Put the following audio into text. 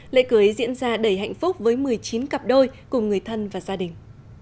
lễ cưới diễn ra đầy hạnh phúc với một mươi chín cặp đôi cùng người thân và gia đình